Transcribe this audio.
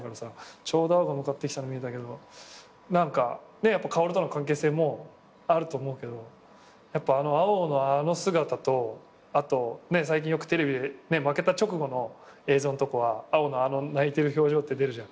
ちょうど碧が向かってきたの見えたけど薫との関係性もあると思うけどやっぱ碧のあの姿と最近よくテレビで負けた直後の映像のとこは碧のあの泣いてる表情って出るじゃん。